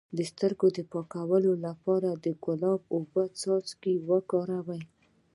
د سترګو د پاکوالي لپاره د ګلاب او اوبو څاڅکي وکاروئ